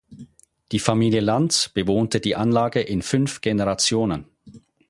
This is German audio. Die Familie Lantz bewohnte die Anlage in fünf Generationen.